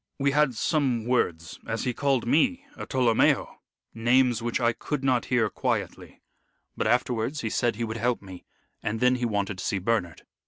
We had some words, as he called me a Tolomeo names which I could not hear quietly. But afterwards he said he would help me, and then he wanted to see Bernard.